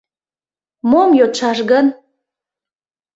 Мом йодшаш гын?»